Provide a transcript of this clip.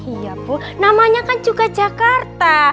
iya bu namanya kan juga jakarta